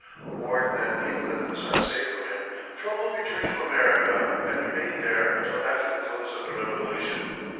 Warned that England was unsafe for him, Trumbull returned to America and remained there until after the close of the Revolution.